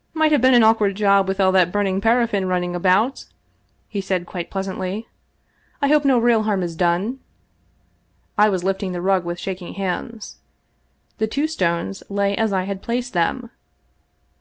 " Might have been an awkward job with all that burning paraffia running about," he said quite pleasantly. " I hope no real harm is done." I was lifting the rug with shaking hands.. The two stones lay as I had placed them.